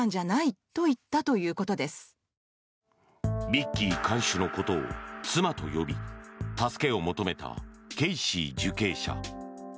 ビッキー看守のことを妻と呼び助けを求めたケイシー受刑者。